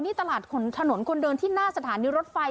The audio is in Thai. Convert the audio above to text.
นี่ตลาดถนนคนเดินที่หน้าสถานีรถไฟ